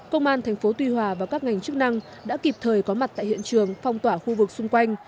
công an tp tuy hòa và các ngành chức năng đã kịp thời có mặt tại hiện trường phong tỏa khu vực xung quanh